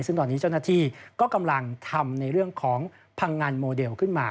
ซึ่งตอนนี้เจ้าหน้าที่ก็กำลังทำในเรื่องของพังงันโมเดลขึ้นมา